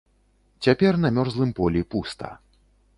Цяпер на мёрзлым полі пуста.